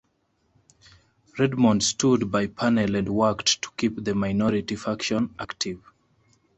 Redmond stood by Parnell and worked to keep the minority faction active.